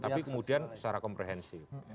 tapi kemudian secara komprehensif